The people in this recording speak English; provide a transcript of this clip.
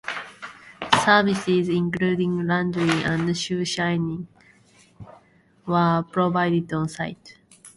Services, including laundry and shoe-shining, were provided on site.